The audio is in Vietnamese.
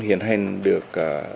hiển hành được